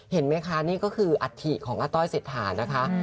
เห็นไหมคะนี่ก็คืออัฐิของอาต้อยเศรษฐานะคะ